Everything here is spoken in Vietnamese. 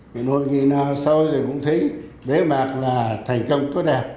nội dung nào sau rồi cũng thấy bế mạc là thành công tốt đẹp